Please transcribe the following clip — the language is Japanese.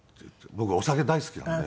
僕お酒大好きなんで。